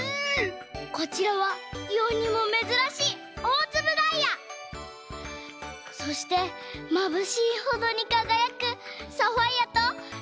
こちらはよにもめずらしいおおつぶダイヤ！そしてまぶしいほどにかがやくサファイアとルビー。